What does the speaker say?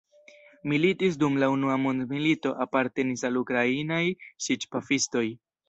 Militis dum la Unua mondmilito, apartenis al Ukrainaj siĉ-pafistoj.